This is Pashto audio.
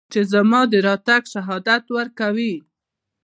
چې زما د راتګ شهادت ورکوي